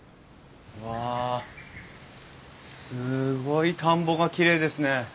わあすごい田んぼがきれいですね。